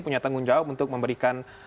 punya tanggung jawab untuk memberikan